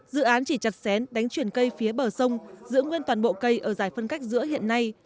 dự án chỉ chặt xén đánh chuyển cây phía bờ sông giữ nguyên toàn bộ cây ở dài phân cách giữa hiện nay